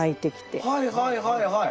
はいはいはいはい。